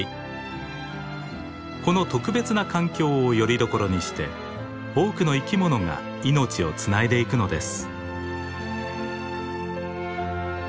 この特別な環境をよりどころにして多くの生き物が命をつないでいくのです。